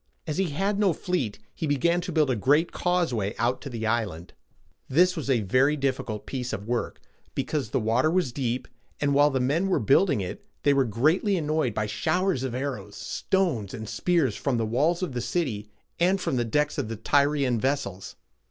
As he had no fleet, he began to build a great causeway out to the island. This was a very difficult piece of work, because the water was deep; and while his men were building it, they were greatly annoyed by showers of arrows, stones, and spears from the walls of the city and from the decks of the Tyrian vessels.